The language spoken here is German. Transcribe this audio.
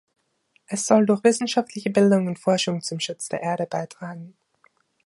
Es soll durch wissenschaftliche Bildung und Forschung zum Schutz der Erde beitragen.